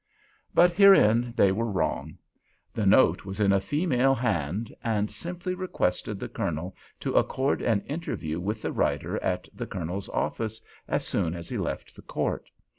But herein they were wrong. The note was in a female hand, and simply requested the Colonel to accord an interview with the writer at the Colonel's office as soon as he left the court.